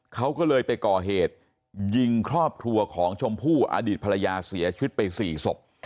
เขาก็เลยไปก่อเหตุยิงครอบครัวของชมพู่อดีตภรรยาเสียชีวิตไป๔ศพ